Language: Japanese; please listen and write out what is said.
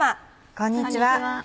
こんにちは。